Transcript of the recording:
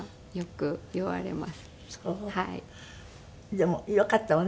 でもよかったわね